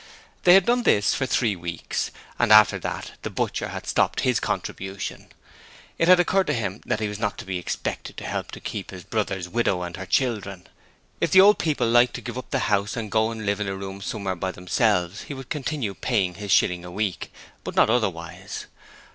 They had done this for three weeks and after that the butcher had stopped his contribution: it had occurred to him that he was not to be expected to help to keep his brother's widow and her children. If the old people liked to give up the house and go to live in a room somewhere by themselves, he would continue paying his shilling a week, but not otherwise.